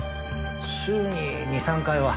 週に２３回は。